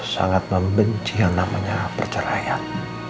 sangat membenci yang namanya perceraian